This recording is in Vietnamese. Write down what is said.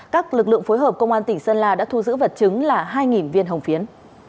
các lực lượng phối hợp công an tỉnh sơn la đã thu giữ vật chứng là hai viên hồng phiến